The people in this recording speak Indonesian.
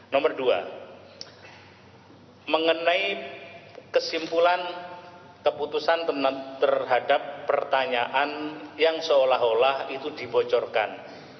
nomor dua mengenai kesimpulan keputusan terhadap pertanyaan yang seolah olah itu dibocorkan